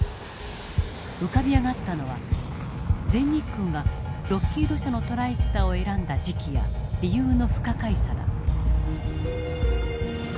浮かび上がったのは全日空がロッキード社のトライスターを選んだ時期や理由の不可解さだ。